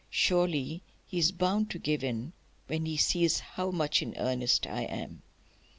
Surely he's bound to give in when he sees how much in earnest I am!"